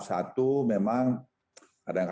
satu memang kadang kadang kita